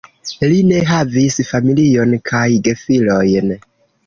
Li ne havis familion kaj gefilojn.